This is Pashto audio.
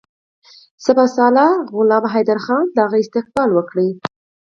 سپه سالار غلام حیدرخان د هغه استقبال وکړ.